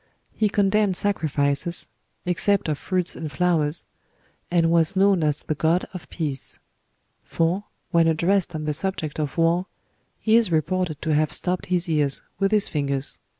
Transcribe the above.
He condemned sacrifices, except of fruits and flowers, and was known as the god of peace; for, when addressed on the subject of war, he is reported to have stopped his ears with his fingers."